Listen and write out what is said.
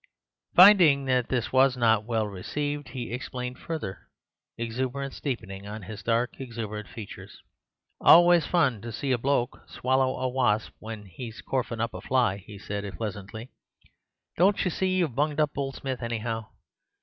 Finding that this was not well received, he explained further, exuberance deepening on his dark exuberant features. "Always fun to see a bloke swallow a wasp when 'e's corfin' up a fly," he said pleasantly. "Don't you see you've bunged up old Smith anyhow.